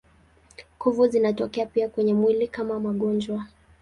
Kuvu zinatokea pia kwenye mwili kama magonjwa.